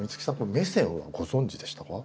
メセンはご存じでしたか？